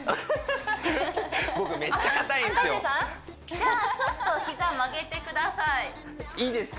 じゃあちょっと膝曲げてくださいいいですか？